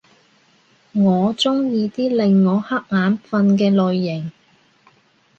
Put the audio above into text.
我鍾意啲令我瞌眼瞓嘅類型